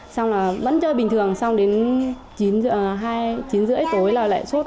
xong rồi vẫn chơi bình thường xong đến chín h ba mươi tối là lại suốt